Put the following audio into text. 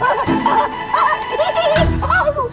aduh aduh aduh